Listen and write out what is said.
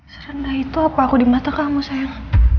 serendah itu apa aku di mata kamu sayang